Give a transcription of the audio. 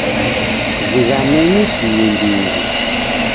Zighanenyi kiimbiri.